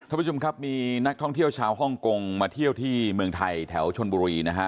ท่านผู้ชมครับมีนักท่องเที่ยวชาวฮ่องกงมาเที่ยวที่เมืองไทยแถวชนบุรีนะฮะ